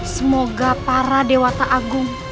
semoga para dewa tak agung